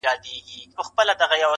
ستا لپاره ده دا مینه- زه یوازي تا لرمه-